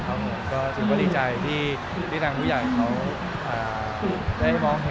แต่เนี้ยก็ต้องดูว่าเป็นอะไรยังไงเขาก็รอ